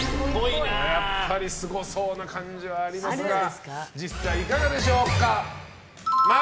やっぱりすごそうな感じはありますが実際いかがでしょうか。